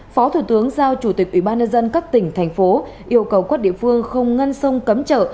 phó thủ tướng giao chủ tịch ủy ban nhân dân các tỉnh thành phố yêu cầu quốc địa phương không ngân sông cấm trở